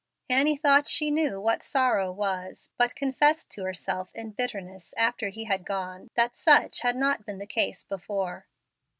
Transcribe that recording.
Annie thought she knew what sorrow was, but confessed to herself in bitterness, after he had gone, that such had not been the case before.